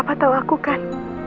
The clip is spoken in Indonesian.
papa tau aku kan